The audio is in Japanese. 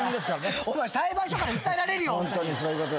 お前裁判所から訴えられるよ。